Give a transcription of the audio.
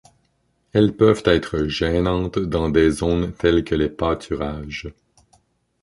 Elles peuvent être gênantes dans des zones telles que les pâturages.